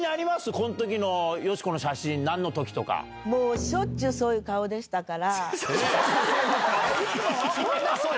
こんときのよしこの写真、なんのもう、しょっちゅうそういう顔でしたから。